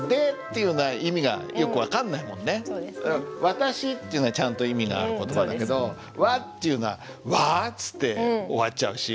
「私」っていうのはちゃんと意味がある言葉だけど「は」っていうのは「は」っつって終わっちゃうし。